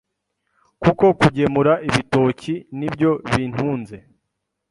kuko kugemura ibitoki ni byo bintunze